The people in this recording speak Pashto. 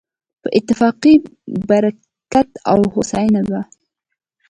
په اتفاق کې برکت او هوساينه وي